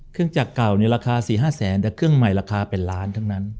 เครื่องจักรเก่าในราคา๔๕แสนแต่เครื่องใหม่ราคาเป็นล้านทั้งนั้น